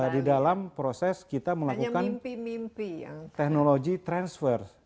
di dalam proses kita melakukan teknologi transfer